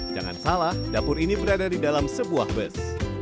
jangan salah dapur ini berada di dalam sebuah bus